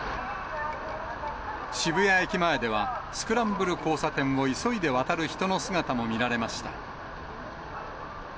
渋谷駅前では、スクランブル交差点を急いで渡る人の姿も見られました。